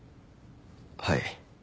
はい。